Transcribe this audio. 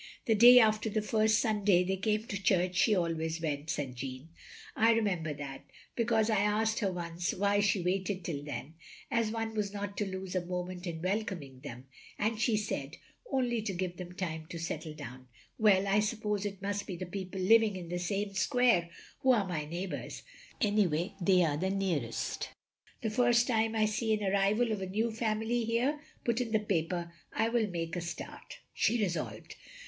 "The day after the first Sunday they came to church she always went," said Jeanne, "I re OF GROSVENOR SQUARE 91 member that, because I asked her once why she waited till then, as one was not to lose a moment in welcoming them, and she said, only to give them time to settle down. Well — I suppose it must be the people living in the same square who are my neighbours, — anyway they are the nearest. The first time I see an arrival of a new family here put in the paper, I will make a start," she resolved.